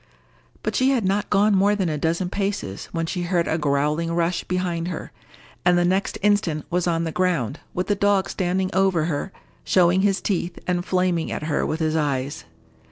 But she had not gone more than a dozen paces, when she heard a growling rush behind her, and the next instant was on the ground, with the dog standing over her, showing his teeth, and flaming at her with his eyes.